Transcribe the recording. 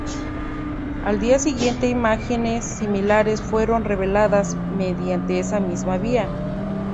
Al día siguiente imágenes similares fueron reveladas mediante esa misma vía.